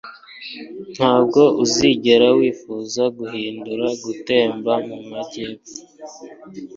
Ntabwo uzigera wifuza guhindura, gutemba mumajyepfo